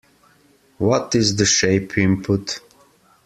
What is the shape input?